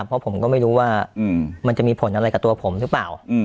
เพราะผมก็ไม่รู้ว่ามันจะมีผลอะไรกับตัวผมหรือเปล่า